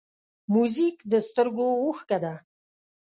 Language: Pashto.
موزیک د سترګو اوښکه ده.